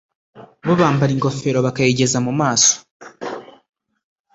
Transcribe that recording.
bo bambara ingofero bakayigeza mu maso